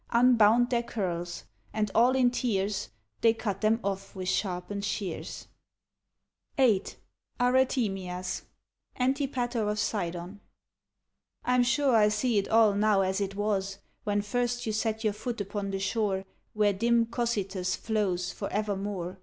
Unbound their curls ; and all in tears. They cut them ofF with sharpened shears. VIII ARETEMIAS {Antipater of Sidon) Fm sure I see it all now as it was. When first you set your foot upon the shore Where dim Cocytus flows for evermore.